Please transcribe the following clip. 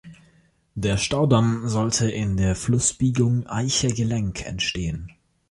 Der Staudamm sollte in der Flussbiegung „Aicher Gelenk“ entstehen.